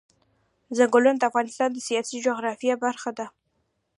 ځنګلونه د افغانستان د سیاسي جغرافیه برخه ده.